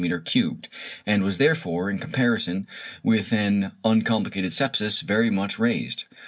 ^, and was therefore, in comparison with an uncomplicated sepsis, very much raised.